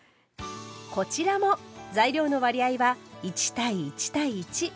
こちらも材料の割合は１：１：１。